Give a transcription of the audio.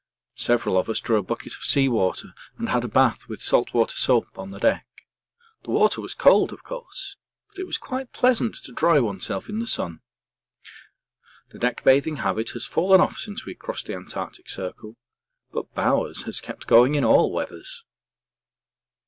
Several of us drew a bucket of sea water and had a bath with salt water soap on the deck. The water was cold, of course, but it was quite pleasant to dry oneself in the sun. The deck bathing habit has fallen off since we crossed the Antarctic circle, but Bowers has kept going in all weathers.